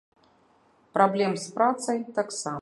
Праблем з працай таксама.